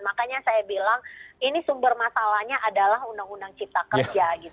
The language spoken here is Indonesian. makanya saya bilang ini sumber masalahnya adalah undang undang cipta kerja